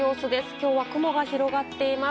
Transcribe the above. きょうは雲が広がっています。